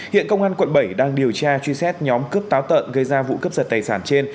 hiện công an quận bảy đang điều tra truy xét nhóm cướp táo tợn gây ra vụ cướp giật tài sản trên